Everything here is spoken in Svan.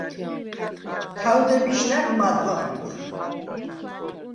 თაუ̂დებიშ ნა̈ბ მად ლამემხ.